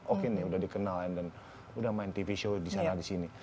oke nih udah dikenalin dan udah main tv show di sana di sini